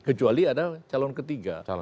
kecuali ada calon ketiga